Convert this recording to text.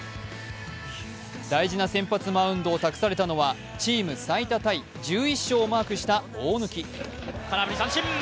大事な先発マウンドをたくされたのは、チーム最多タイ１１勝をマークした大貫。